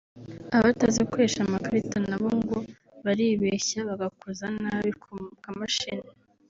Abatazi gukoresha amakarita na bo ngo baribeshya bagakoza nabi ku kamashini